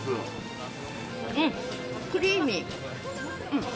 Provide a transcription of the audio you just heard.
うん、クリーミー。